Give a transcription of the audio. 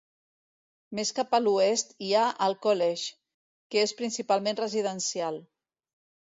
Més cap a l'oest hi ha el College, que és principalment residencial.